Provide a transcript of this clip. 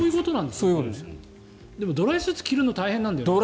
でもドライスーツ着るの大変なんだよね。